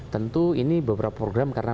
tentu ini beberapa program karena